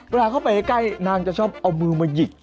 เวลาเข้าไปใกล้นางจะชอบเอามือมาหยิก